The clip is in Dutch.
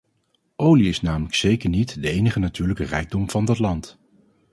Olie is namelijk zeker niet de enige natuurlijke rijkdom van dat land.